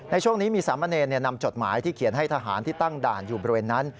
ในช่วงนี้มีสามเณรนำจดหมายที่เขียนให้ทหารที่ตั้งด่านอยู่บริเวณนั้น